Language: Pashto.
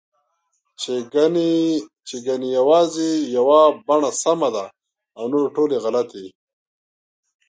چې ګنې یوازې یوه بڼه سمه ده او نورې ټولې غلطې